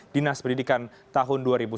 dinas pendidikan tahun dua ribu sebelas